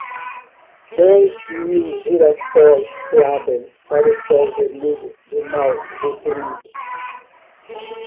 Dez mil girassóis se abrem para o sol vermelho de Mao Zedong